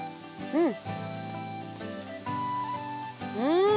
うん！